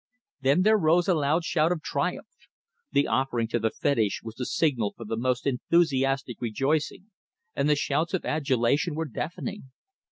Then there arose a loud shout of triumph. The offering to the fetish was the signal for the most enthusiastic rejoicing, and the shouts of adulation were deafening.